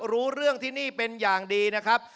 รู้เรื่องที่นี่เป็นอย่างดีนะครับ